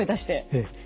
ええ。